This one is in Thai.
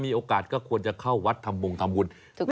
มีโอกาสก็ควรจะเข้าวัดทำมงทำบุญ